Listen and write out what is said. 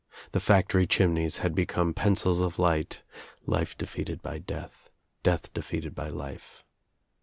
The factory chimneys had become pencils of light Life defeated by death, Death defeated by life.